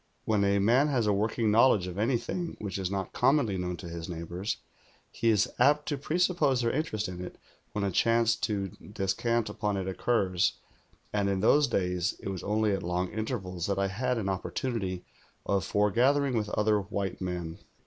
When a man has a working knowledge of anything which is not commonly known to his neighbours, he is apt to presuppose their interest in it when a chance to descant upon it occurs, and in those days it was only at long intervals that I had an opportunity of 115 110 THE GIIOTTL forgathering with other white men.